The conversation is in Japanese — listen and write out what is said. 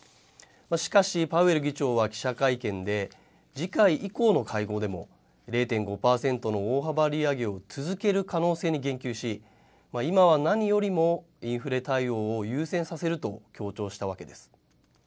しかし、パウエル議長は記者会見で、次回以降の会合でも、０．５％の大幅利上げを続ける可能性に言及し、今は何よりもインフレ対応を優先させると強調したわけです。